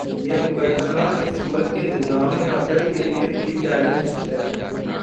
یہ مقدمہ اس ملک کے نظام عدل کے لیے بھی چیلنج ہے۔